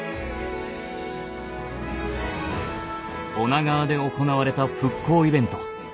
女川で行われた復興イベント。